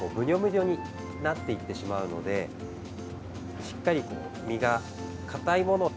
にょになっていってしまうのでしっかりと身がかたいもの